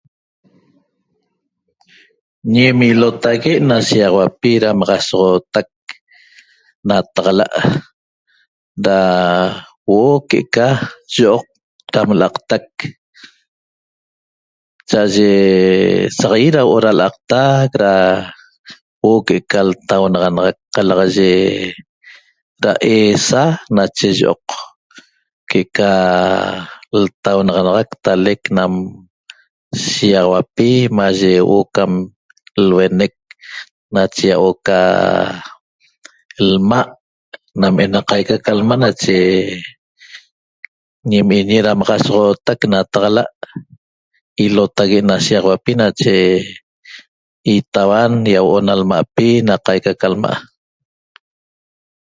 Ñim ilotague' na shíýaxaupi damaxasootac nataxala' da huo' que'eca yioq dam l'aqtac cha'aye saq ýit huo'o da l'aqtac da huo'o que'eca ltaunaxanaxac qalaxaye da eesa nache yioq que'eca ltaunaxanaxac talec nam shíýaxauapi mayi huo'o cam luenec nache ýahuo'o ca lma nam ena qaica ca lma' nache ñim'iñi nadamaxasoxootac nataxala' ilotague na shiýaxauapi nache itauan ýahuo'o na lma'pi na qaica calma'